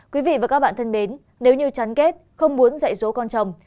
quý vị và các bạn thân mến nếu như chắn kết không muốn dạy dỗ con chồng